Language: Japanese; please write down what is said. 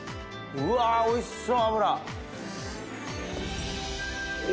うわおいしそう！